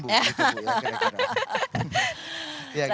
gitu ya kira kira